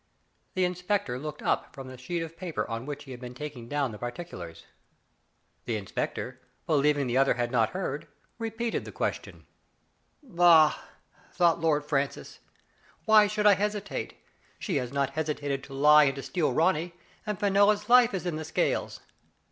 The inspector looked up from the sheet of paper on which he had been taking down the particulars. The inspector, believing the other had not beard, repeated the question, Digitized by Google l66 THE FATE OF FENELLA. " Bah !*' thought Lord Francis, why should I hesitate? She has not hesitated to lie and to steal Ronny ; and Fenella's life is in the scales."